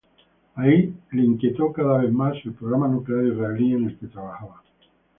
Ahí le inquietó cada vez más el programa nuclear israelí en el que trabajaba.